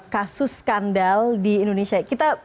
kasus skandal di indonesia